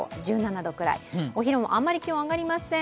１７度くらい、お昼もあんまり気温、上がりません。